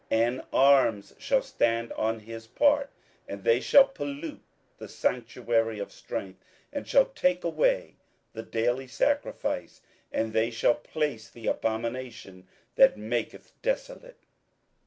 27:011:031 And arms shall stand on his part, and they shall pollute the sanctuary of strength, and shall take away the daily sacrifice, and they shall place the abomination that maketh desolate.